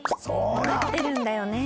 わかってるんだよね。